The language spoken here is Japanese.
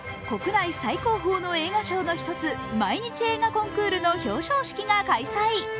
国内最高峰の映画賞の一つ、毎日映画コンクールの表彰式が開催。